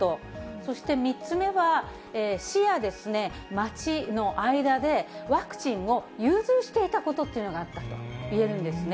そして、３つ目は、市や町の間でワクチンを融通していたことがあったと言えるんですね。